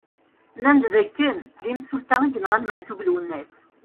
Nnan-d d akken d imsulta i yenɣan Maɛtub Lwennas.